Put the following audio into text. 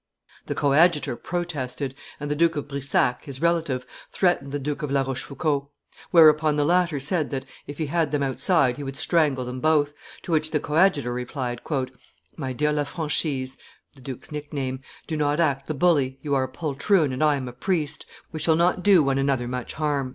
The coadjutor protested, and the Duke of Brissac, his relative, threatened the Duke of La Rochefoucauld; whereupon the latter said that, if he had them outside, he would strangle them both; to which the coadjutor replied, "My dear La Franchise (the duke's nickname), do not act the bully; you are a poltroon and I am a priest; we shall not do one another much harm."